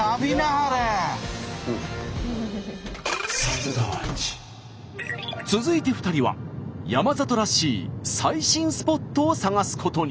めるる続いて２人は山里らしい最新スポットを探すことに。